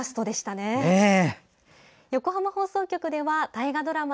大河ドラマ